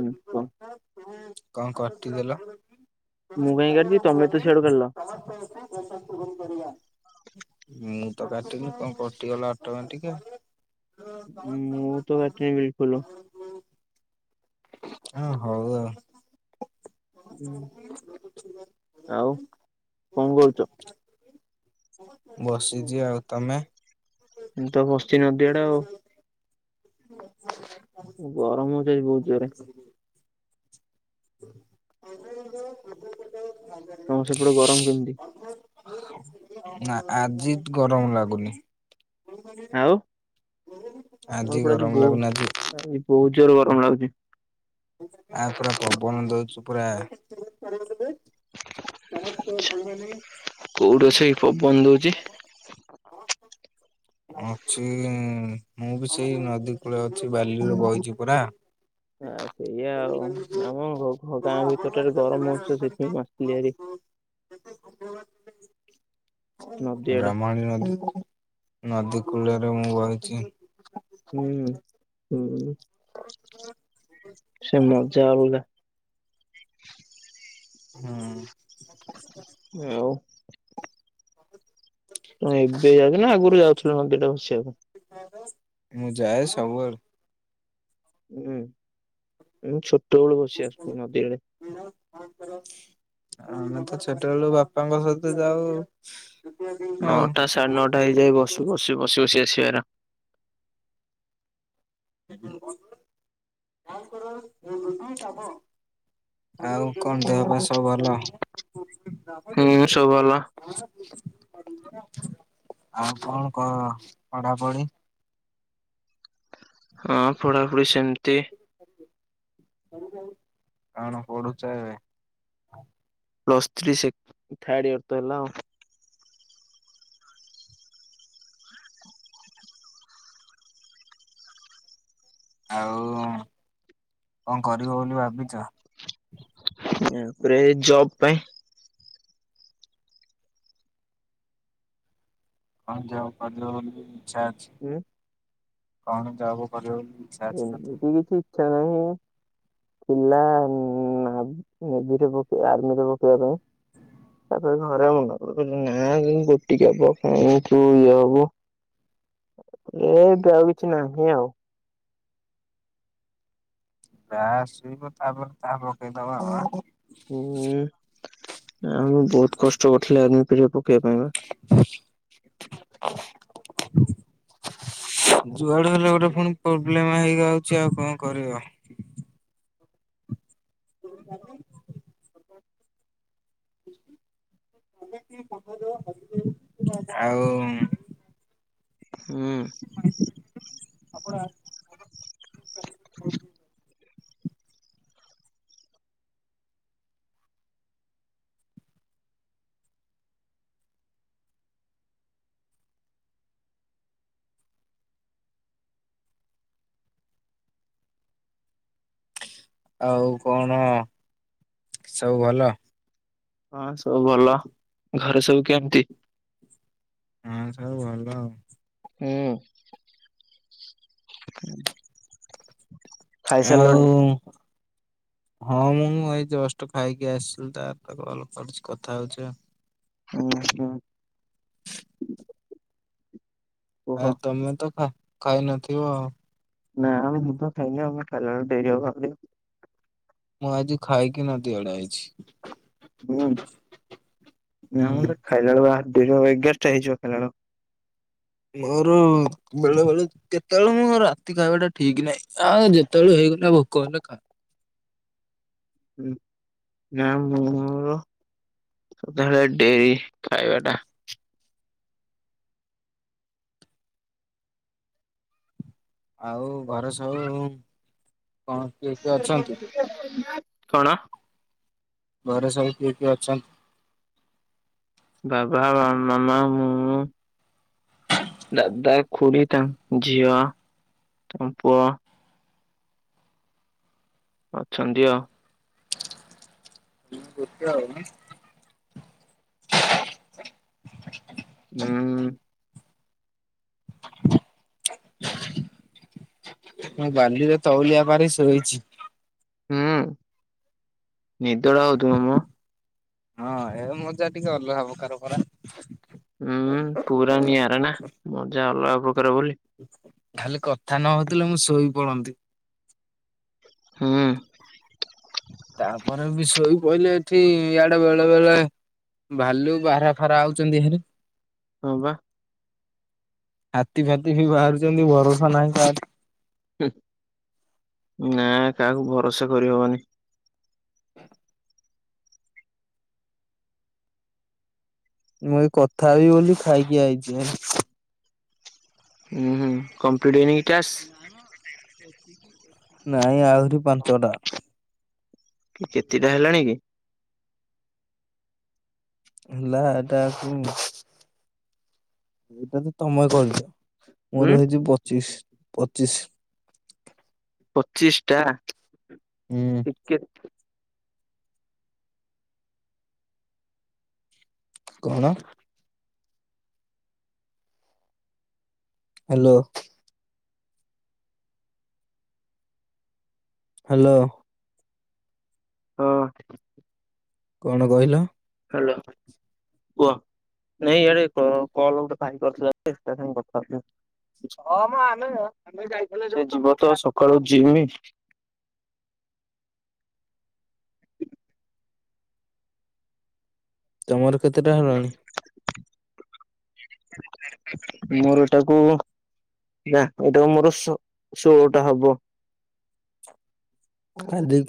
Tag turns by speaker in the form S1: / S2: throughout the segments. S1: ହୁଁ କୁହ।
S2: କଁ କଟି ଦେଲ?
S1: ମୁଁ କାଇଁ କାଟିବି ତମେ ତ ସିଆଡୁ କାଲ।
S2: ମୁଁ ତ କାଟିନି କଁ କଟିଗଲା ଅଟମେଟିକ୍ ଆଉ।
S1: ମୁଁ ତ କାଟି ବିଲକୁଲୁ।
S2: ହଁ ହଉ ଆଉ।
S1: ଆଉ କଁ କରୁଚ?
S2: ବସିଚି ଆଉ, ତମେ?
S1: ମୁଁ ତ ବସଚି ନଦୀ ଆଡ଼େ ଆଉ। ଗରମ୍ ହୋଉଚି ଆଜି ବହୁତ୍ ଜୋରରେ।
S2: [inaudible]
S1: ତମ ସେପଟେ ଗରମ୍ କେମତି?
S2: ନାଁ ଆଜି ତ୍ ଗରମ ଲାଗୁନି।
S1: ଆଉ ମୋର ପୁରା ଆଜି
S2: ଗରମ
S1: ବହୁ
S2: ଲାଗୁନି ଆଜି
S1: ଆଜି ବହୁତ୍ ଜୋରେ ଗରମ୍ ଲାଗୁଚି।
S2: ଆ ପୁରା ପବନ ଦଉଚି ପୁରା। [inaudible]
S1: କୋଉଠି ଅଛ କି ପବନ ଦଉଚି?
S2: ଅଁଛି ମୁଁ ବି ସେଇ ନଦୀ କୂଳେ ଅଛି ବାଲିରେ ବଇଚି ପରା।
S1: ଆ ସେଇଆ ଆଉ ଆମ ଗାଁ ଭିତରଟାରେ ଗରମ୍ ହଉଚି ତ ସେଥିପାଇଁ ଆସିଥିଲି ଭାରି।
S2: [inaudible]
S1: ନଦୀ ଆଡେ
S2: ବ୍ରାହ୍ମଣୀ ନଦୀ-ନଦୀ କୂଳରେ ମୁଁ ବଇଚି।
S1: ହୁଁ-ହୁଁ ସେ ମଜା ହୁଏ। ଆଉ।
S2: ହୁଁ।
S1: ତୁ ଏବେ ଯାଉଚୁ ନା ଆଗରୁ ଯାଉଥିଲୁ ନଦୀରେ ବସିବାକୁ।
S2: ମୁଁ ଯାଏ ସବୁବେଳେ।
S1: ହୁଁ ମୁଁ ଛୋଟବେଳୁ ବସି ଆସୁଚି ନଦୀ ଆଡେ।
S2: ଆମେ ତ ଛୋଟବେଳୁ ବାପାଙ୍କ ସହିତ ଯାଉ। ହଉ
S1: ନଅଟା ସାଢ଼େ ନଅଟା ହେଇଯାଏ ବସି-ବସି-ବସି-ବସି ଆସିବା।
S2: [inaudible] ଆଉ କଣ ଦେହ ପା ସବୁ ଭଲ।
S1: ହୁଁ ସବୁ ଭଲ।
S2: ଆଉ କଣ କ ପଢାପଢି
S1: ହଁ ପଢାପଢି ସେମିତି
S2: କଣ ପଡୁଛ ଏବେ?
S1: ପ୍ଲସ୍ ଥ୍ରୀ ସେ ଥାର୍ଡ଼ ଇୟର୍ ତ ହେଲା ଆଉ।
S2: ଆଉ କଣ କରିବ ବୋଲି ଭାବିଛ?
S1: ପ୍ରେ ଜବ ପାଇଁ
S2: କଁ ଯାଉ ବୋଲି ବି ଇଚ୍ଛା ଅଛି [inaudible]
S1: ହୁଁ।
S2: କଣ ଯାବ କରିବ? ଇଚ୍ଛା ଅଛି
S1: ଏବେ
S2: ତଥାପି?
S1: କିଛି ଇଚ୍ଛା ନାହିଁ। ଥିଲା ନେଭିରେ ଆର୍ମିରେ ପକେଇବା ପାଇଁ। ତାପରେ ଘରେ ମନା କରୁଛନ୍ତି ନା ତୁ ଗୋଟିକିଆ ପୁଅ କଣ ତୁ ଇଏ ହବୁ। ଏବେ ଆଉ କିଛି ନାହିଁ ଆଉ।
S2: ବ ଶୋଇବ ତାପରେ ତାହା ପକେଇଦବା ଆଉ।
S1: ହୁଁ ଆମେ ବହୁତ କଷ୍ଟ କରିଥିଲେ ଆର୍ମି ରେ ପକେଇବା ପାଇଁ। [inaudible]
S2: ଯୁଆଡେ ହେଲେ ଗୋଟେ ପୁଣି ପ୍ରୋବ୍ଲେମ ହେଇଯାଉଛି ଆଉ କଣ କରିବା। ହ [inaudible] ଆଉ।
S1: ହୁଁ।
S2: ଆପଣ। ଆଉ କଣ ସବୁ ଭଲ।
S1: ହଁ ସବୁ ଭଲ ଘରେ ସବୁ କେମିତି?
S2: ହଁ ସବୁ ଭଲ ଆଉ।
S1: ହୁଁ। ଖାଇସାରିଲଣି?
S2: ଆଉ। ହଁ ମୁଁ ଏଇ ଜଷ୍ଟ ଖାଇକି ଆସିଥିଲି ତ ତାପରେ କଲ କରୁଚି କଥା ହେଉଛି।
S1: ହୁଁ ହୁଁ। କୁହ
S2: ଆ ତମେ ତ ଖାଇ ନଥିବ।
S1: ନା ଆମେ ମୁଁ ତ ଖାଇନି ଆମେ ଖାଇଲାବେଳେ ଡେରି ହବ
S2: ମୁଁ ଆଜି ଖାଇକି ନଦୀ ଆଡ଼େ ଆଇଚି।
S1: ହୁଁ
S2: ହୁଁ।
S1: ଖାଇଲା ବେଳକୁ ଦେଢ଼ ଏଗାରଟା ହେଇଯିବ ଖାଇ
S2: ମୋର ବେଳେ ବେଳେ କେତେବେଳେ ମୁଁ ରାତି ଖାଇବା ଟା ଠିକ୍ ନାହିଁ। ଆଉ ଯେତେବେଳେ ହେଇଗଲେ ଆ ଭୋକ କଲେ ଖାଏ।
S1: ହୁଁ ନା ମୋର ସଦାବେଳେ ଡେରି ଖାଇବା ଟା।
S2: ଆଉ ଘରେ ସବୁ କଣ କିଏ କିଏ ଅଛନ୍ତି?
S1: କଣ?
S2: ଘରେ ସବୁ କିଏ କିଏ ଅଛନ୍ତି?
S1: ବାବା, ମାମା, ମୁଁ ଦାଦା, ଖୁଡ଼ି, ତାଙ୍କ ଝିଅ, ତାଙ୍କ ପୁଅ। ଅଛନ୍ତି ଆଉ।
S2: ହ ଗତଉନ [inaudible]
S1: ହୁଁ
S2: ମୁଁ ବାଲିରେ ତଉଲିଆ ପାରି ସୋଇଛି।
S1: ହୁଁ ନିଦଟା ହଉଥିବ ମ?
S2: ହଁ ଏ ମଜା ଟିକେ ଅଲଗା ପ୍ରକାର ପରା।
S1: ହୁଁ ପୁରା ନିଆରା ନା ମଜା ଅଲଗା ପ୍ରକାର ବୋଲି।
S2: ଖାଲି କଥା ନହଉଥିଲେ ମୁଁ ଶୋଇ ପଡନ୍ତି।
S1: ହୁଁ।
S2: ତାପରେ ବି ଶୋଇ ପଡିଲେ ଏଠି ଇଆଡେ ବେଳେ ବେଳେ ଭାଲୁ, ବାରହା ଫାରା ଆଉଛନ୍ତି ଏରେ।
S1: ହଁ ବା।
S2: ହାତୀ ଫାତି ବି ବାହାରୁଛନ୍ତି ଭରଷା ନାହିଁ କାହା
S1: ନା କାହାକୁ ଭରସା କରିହବନି।
S2: ମୁଁ ଏଇ କଥା ହବି ବୋଲି ଖାଇକି ଆଇଛି।
S1: ହୁଁ ହୁଁ କମ୍ପ୍ଲିଟ୍ ହେଇ ନିଜ କି ଟାସ୍କ? [inaudible]
S2: ନାଇଁ ଆହୁରି ପାଞ୍ଚଟା।
S1: କି କେତେଟା ହେଲାଣି କି?
S2: ହେଲା ଏଇଟା ଆକୁ ଏଇଟା ତ ତମେ କରୁଛ।
S1: ଉଁ
S2: ମୋର ହେଇଛି ପଚିଶ ପଚିଶ।
S1: ପଚିଶ ଟା
S2: ହୁଁ
S1: ଟିକେ‌
S2: କଣ? ହାଲୋ। ହାଲୋ।
S1: ହଁ।
S2: କଣ କହିଲ?
S1: ହାଲୋ। ନାଇଁ ଇଆଡେ କଲ ଗୋଟେ ଭାଇ ତା ସହ କଥା ହଉଥିଲି। ସେ ଯିବ ତ ସକାଳୁ ଯିମ୍।
S2: ତମର କେତେ ଟା?
S1: [unintelligible] ମୋର ଏଟାକୁ ନା ଏଇଟାକୁ ମୋର ଶୋଳଟା ହବ।
S2: କାଲି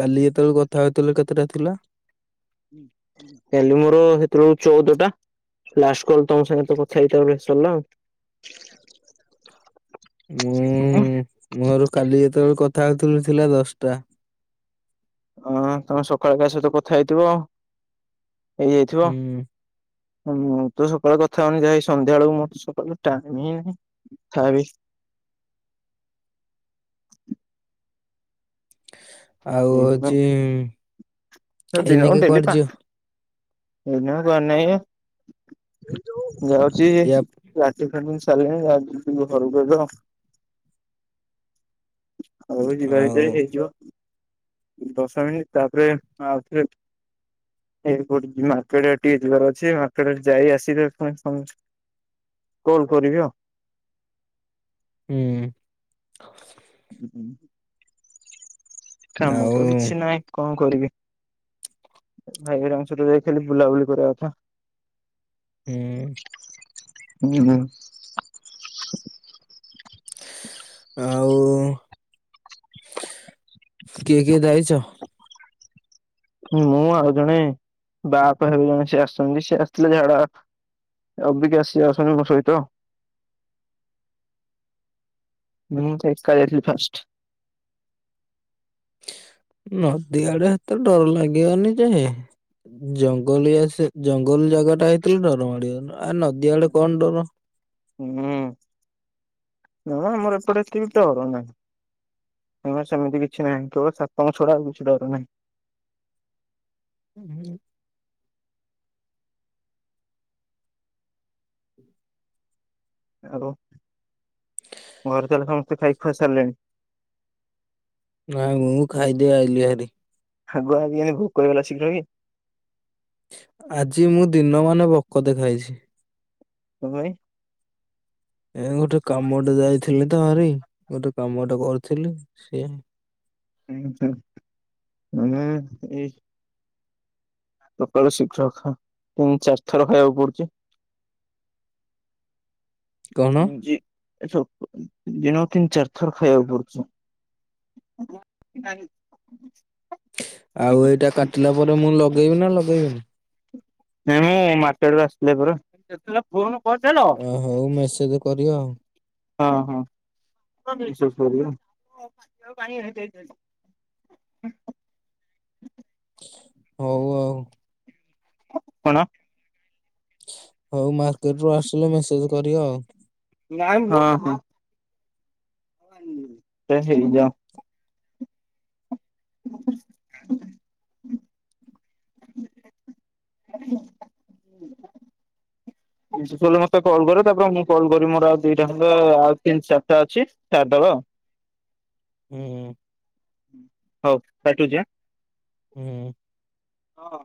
S2: କାଲି ଯେତେବେଳେ କଥା ହେଉଥିଲୁ କେତେଟା ଥିଲା?
S1: କାଲି ମୋର ସେତେବେଳକୁ ଚଉଦ ଟା। ଲାଷ୍ଟ କଲ ତମ ସାଙ୍ଗେ ତ କଥା ହେଇଥିଲି ସରିଲା ଆଉ।
S2: ମୁଁ ମୋର କାଲି ଯେତେବେଳେ କଥା ହଉଥିଲି ଥିଲା ଦଶଟା?
S1: ହଁ, ତମେ ସକାଳେ କା ସହିତ କଥା ହେଇଥିବ। ହେଇଯାଇଥିବ।
S2: ହୁଁ।
S1: ମୁଁ ତ ସକାଳୁ କଥା ହଉନି ଯାହା ସନ୍ଧ୍ୟା ବେଳକୁ ମୋର ସକାଳ ଟାଇମ ହିଁ ନାହିଁ [unintelligible]
S2: ଆଉ ହଉଛି
S1: ସେଇଥିପାଇଁ
S2: ଏଇନେକେ କୁଆଡେ ଯିବ?
S1: ଏଇନାକା କୁଆଡେ ନାହିଁ ମ ଯାଉଛି
S2: ୟା
S1: ଲାଟିନ ଫାଟିନ ସାରିଲିଣି ଯାଉଚି ଯିବି ଘରକୁ ଏବେ ଆଉ। ଆଉ ଯିବା
S2: ଆଉ
S1: ଭିତରେ ହେଇଯିବ ଦଶ ମିନିଟ ତାପରେ ଆଉଥରେ। ଏଇ କୋଉଠି ମାର୍କେଟ ଆଡେ ଟିକେ ଯିବାର ଅଛି। ମାର୍କେଟ ଯାଇ ଆସିଲେ [unintelligible] କଲ କରିବି ଆଉ।
S2: ହୁଁ।
S1: [unintelligible] କାମ
S2: ଆଉ
S1: ତ କିଛି ନାହିଁ କଣ କରିବି? ଭାଇ ହେରୀକାଙ୍କ ସହିତ ଯାଇ ଥିଲି ବୁଲାବୁଲି କରିବା ପାଇଁ।
S2: ଉଁ ହୁଁ।
S1: ହୁଁ ହୁଁ।
S2: ଆଉ କିଏ କିଏ ଯାଇଛ?
S1: ମୁଁ ଆଉ ଜଣେ ବାହାପ ହେବ ଜଣେ ସେ ଆସଛନ୍ତି। ସେ ଆସିଥିଲେ ଝାଡା। ଆବିକା ସେ ଆସନ୍ତି। ମୋ ସହିତ। ମୁଁ ତ ଏକା ଯାଇଥିଲି ଫାଷ୍ଟ।
S2: ନଦୀ ଆଡେ ଏତେ ଡର ଲାଗିବନି ଯେ? ଜଙ୍ଗଲିଆ ସେ ଜଙ୍ଗଲ ଜାଗା ଟା ହେଇଥିଲା ଡରମାଡିବ, ଆ ନଦୀ ଆଡେ କଣ ଡର?
S1: ହୁଁ, ନା ଆମର ଏପଟେ ଏତିିଟ ଡର ନାହିଁ। ନା ସେମିତି କିଛି ନାହିଁ କେବଳ ସାପଙ୍କ ଛଡା ଆଉ କିଛି ଡର ନାହିଁ।
S2: ହୁଁ ହୁଁ।
S1: ଆଉ ଘରେ ତାହେଲେ ସମସ୍ତେ ଖାଇ ଖୁଆ ସାରିଲେଣି।
S2: ନାଇଁ ମୁଁ ଖାଇଦେ ଆଇଲିି ଭାରି।
S1: ଆଗୁଆ ଆଜ୍ଞା ଭୋକ ହେଇଗଲା ଶୀଘ୍ର କି?
S2: ଆଜି ମୁଁ ଦିନ ମାନେ ବକତେ ଖାଇଛି।
S1: କଣ ପାଇଁ।
S2: ଏ ଗୋଟେ କାମଟା ଯାଇଥିଲି ତ ଭାରି ଗୋଟେ କାମ ଟା କରିଥିଲି ସିଏ
S1: ହଁ ହୁଁ ଆମେ ଏଇ। ସକାଳୁ ଶୀଘ୍ର ଖାଉ ଏମିତି ଚାରି ଥର ଖାଇ ବାକୁ ପଡୁଛି।
S2: କଣ
S1: ଜି ସ ଦିନକୁ ତିନ ଚାରି ଥର ଖାଇବାକୁ ପଡୁଛି। ହ [unintelligible]
S2: ଆଉ ଏଇଟା କାଟିଲା ପରେ ମୁଁ ଲଗେଇବି ନା ଲଗେଇବିନି?
S1: ନାଇ ମୁଁ ମାର୍କେଟୁ ଆସିଲା ପରେ। ଯେତେଳେ ଫୋନ କରିଥିଲ।
S2: ଅ ହଉ ମେସେଜ କରିବ ଆଉ
S1: ହଁ ହଁ [unintelligible] ହ [unintelligible]
S2: ହଉ ଆଉ।
S1: କଣ?
S2: ହଉ ମାର୍କେଟ ରୁ ଆସିଲେ ମେସେଜ କରିବ ଆଉ।
S1: ନାଇ ହଁ ହଁ। ହ ତ ହେଇ ଯା। ହ [unintelligible] ରୋଷେଇ ସରିଲେ ମତେ କଲ୍ କରିବ ତାପରେ ମୁଁ କଲ୍ କରି ମୋର ଆଉ ଦିଟା ଖଣ୍ଡ ଆଉ ତିନି ଚାରିଟା ଅଛି। ସାରିଦବା।
S2: ହୁଁ।
S1: ହୁଁ ହଉ କାଟୁଚି ହାଁ।
S2: ହୁଁ।
S1: ହଁ।